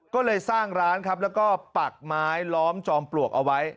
ก็เลยสร้างร้านครับแล้วก็ปักไม้ล้อมจอมปลวกเอาไว้